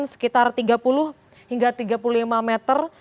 sekitar tiga puluh hingga tiga puluh lima meter